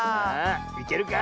いけるか？